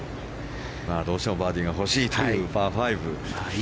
どうしてもバーディーが欲しいというパー５ですからね。